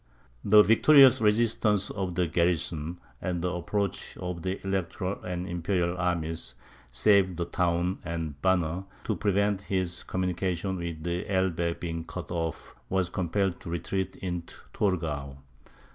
The vigorous resistance of the garrison, and the approach of the Electoral and Imperial armies, saved the town, and Banner, to prevent his communication with the Elbe being cut off, was compelled to retreat into Torgau.